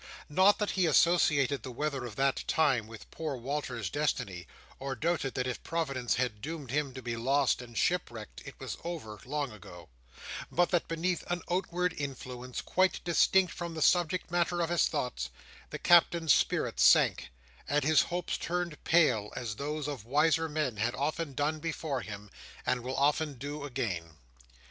Not that he associated the weather of that time with poor Walter's destiny, or doubted that if Providence had doomed him to be lost and shipwrecked, it was over, long ago; but that beneath an outward influence, quite distinct from the subject matter of his thoughts, the Captain's spirits sank, and his hopes turned pale, as those of wiser men had often done before him, and will often do again.